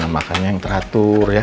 makanya yang teratur ya